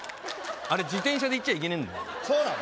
自転車で行っちゃいけねえんだよそうなの？